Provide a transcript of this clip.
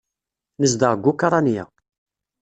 Nezdeɣ deg Ukṛanya.